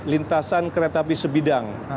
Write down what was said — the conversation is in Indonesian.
lintasan kereta api sebidang